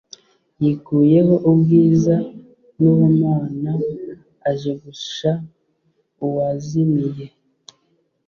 yikuyeho ubwiza nubumana aje gusha uwazimiye